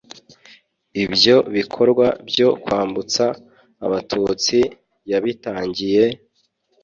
ibyo bikorwa byo kwambutsa abatutsi yabitangiye